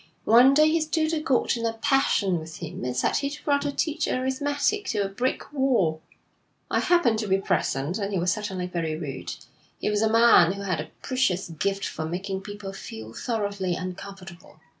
One day his tutor got in a passion with him and said he'd rather teach arithmetic to a brick wall. I happened to be present, and he was certainly very rude. He was a man who had a precious gift for making people feel thoroughly uncomfortable.